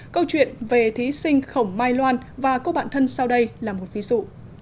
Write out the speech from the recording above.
câu chuyện về thí sinh khổng mai loan và cô bạn thân sau đây là một ví dụ